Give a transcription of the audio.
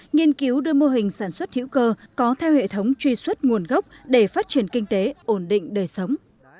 nghiên cứu đưa mô hình sản xuất hữu cơ có theo hệ thống truy xuất nguồn gốc để phát triển kinh tế ổn định đời sống